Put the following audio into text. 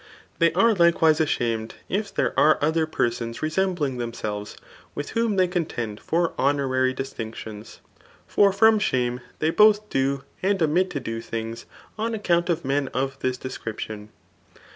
They are likewiae ashamed if there are other penxms resembling themsdves widi whom diey CRAP. IX. HHETORIC. 129 contend for honorary distinctions ; for from shame they both do and omit to do many things on account of men of this description.